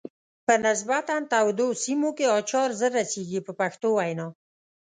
په نسبتا تودو سیمو کې اچار زر رسیږي په پښتو وینا.